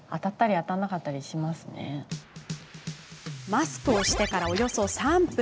マスクをしてから、およそ３分。